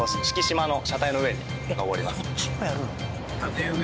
そっちもやるの？